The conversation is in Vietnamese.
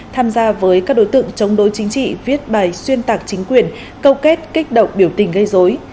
tham gia với các đối tượng chống đối chính trị viết bài xuyên tạc chính quyền câu kết kích động biểu tình gây dối